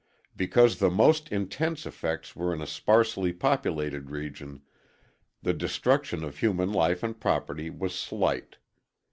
Because the most intense effects were in a sparsely populated region, the destruction of human life and property was slight.